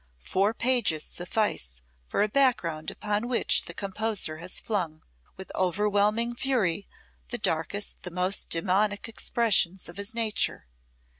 Four pages suffice for a background upon which the composer has flung with overwhelming fury the darkest, the most demoniac expressions of his nature.